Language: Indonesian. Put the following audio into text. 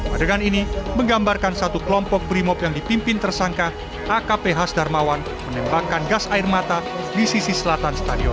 adegan ini menggambarkan satu kelompok brimob yang dipimpin tersangka akp hasdarmawan menembakkan gas air mata di sisi selatan stadion